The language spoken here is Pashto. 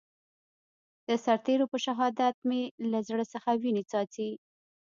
د سرتېرو په شهادت مې له زړه څخه وينې څاڅي.